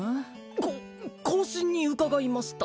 こ更新に伺いました